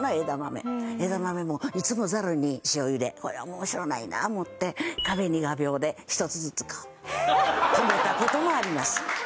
枝豆もいつもザルに塩茹でこれは面白ないな思って壁に画鋲で１つずつ留めた事もあります。